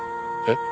えっ？